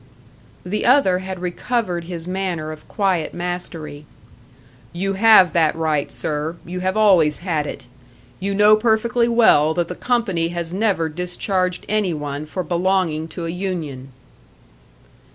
The other had recovered his manner of quiet mastery. "You have that right, sir; you have always had it. You know perfectly well that the company has never discharged any one for belonging to a union."